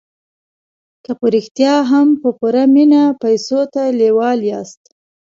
که په رښتیا هم په پوره مينه پيسو ته لېوال ياست.